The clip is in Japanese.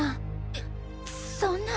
えっそんな。